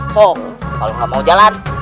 so kalau nggak mau jalan